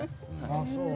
ああそう。